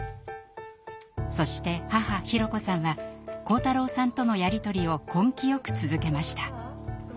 そして母裕子さんは晃太郎さんとのやり取りを根気よく続けました。